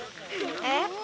えっ？